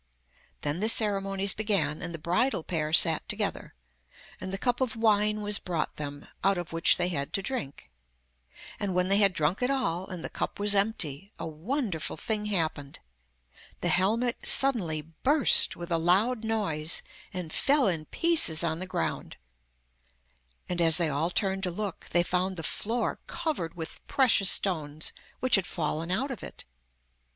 Then the ceremonies began, and the bridal pair sat together, and the cup of wine was brought them, out of which they had to drink. And when they had drunk it all, and the cup was empty, a wonderful thing happened. The helmet suddenly burst with a loud noise, and fell in pieces on the ground; and as they all turned to look they found the floor covered with precious stones which had fallen out of it.